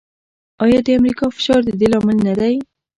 آیا د امریکا فشار د دې لامل نه دی؟